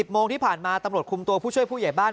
โมงที่ผ่านมาตำรวจคุมตัวผู้ช่วยผู้ใหญ่บ้าน